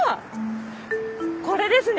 これですね！